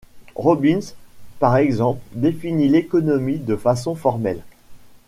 Robins par exemple défini l'économie de façon formelle.